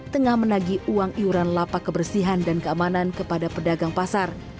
tengah menagi uang iuran lapak kebersihan dan keamanan kepada pedagang pasar